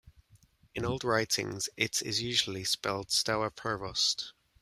In old writings it is usually spelled Stower Provost.